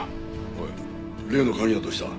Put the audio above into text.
おい例の鍵はどうした？